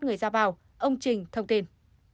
người ra vào ông trình thông tin